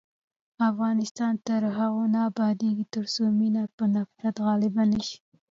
افغانستان تر هغو نه ابادیږي، ترڅو مینه پر نفرت غالبه نشي.